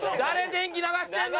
電気流してるの。